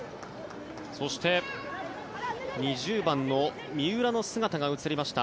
そして２０番の三浦の姿が映りました。